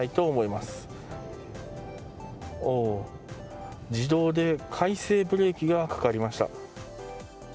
おー、自動で回生ブレーキがかかりました。